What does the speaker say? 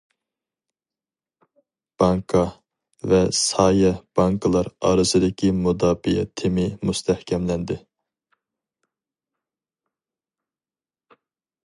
بانكا ۋە سايە بانكىلار ئارىسىدىكى مۇداپىئە تېمى مۇستەھكەملەندى.